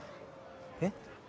えっ？